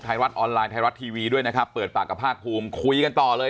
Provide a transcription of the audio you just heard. ไทยรัฐออนไลน์ไทยรัฐทีวีด้วยนะครับเปิดปากกับภาคภูมิคุยกันต่อเลย